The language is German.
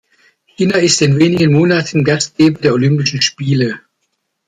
China ist in wenigen Monaten Gastgeber der Olympischen Spiele.